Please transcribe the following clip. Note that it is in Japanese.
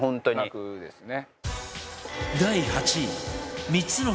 楽ですね。